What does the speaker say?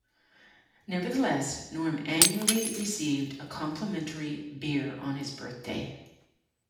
Nevertheless, Norm annually received a complimentary beer on his birthday.